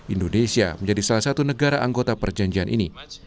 indonesia menjadi salah satu negara anggota perjanjian ini